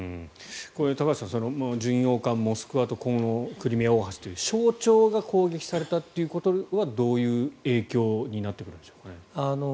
これは高橋さん巡洋艦「モスクワ」とクリミア大橋という象徴が攻撃されたということはどういう影響になってくるんでしょうかね。